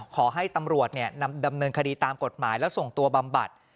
ขอให้ตำรวจดำเนินคดีตามกฎหมายแล้วส่งตัวบำบัด